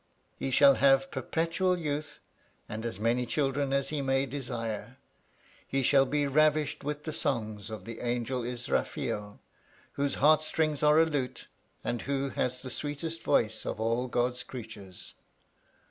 He shall have perpetual youth, and as many children as he may desire. He shall be ravished with the songs of the angel Israfeel, "whose heart strings are a lute, and who has the sweetest voice of all God's creatures."